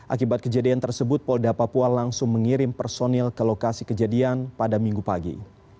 akibat kejadian tersebut polda papua langsung mengirim personil ke lokasi kejadian pada minggu pagi